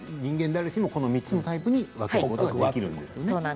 誰しもこの３つのタイプに分けることができるんですね。